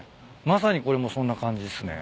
まさにこれもそんな感じっすね。